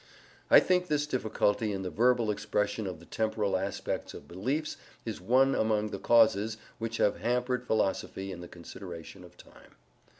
I think this difficulty in the verbal expression of the temporal aspects of beliefs is one among the causes which have hampered philosophy in the consideration of time.